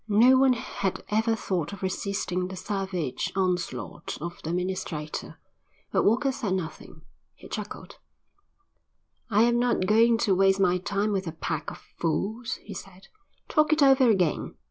No one had ever thought of resisting the savage onslaught of the administrator. But Walker said nothing. He chuckled. "I am not going to waste my time with a pack of fools," he said. "Talk it over again.